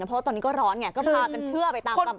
เพราะว่าตอนนี้ก็ร้อนไงก็พากันเชื่อไปตามตำ